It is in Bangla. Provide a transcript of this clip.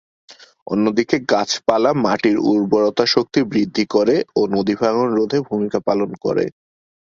অন্যদিকে গাছপালা মাটির উর্বরতা শক্তি বৃদ্ধি করে ও নদীভাঙ্গন রোধে ভূমিকা পালন করে।